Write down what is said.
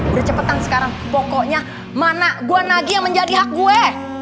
udah cepetan sekarang pokoknya mana gue nagi yang menjadi hak gue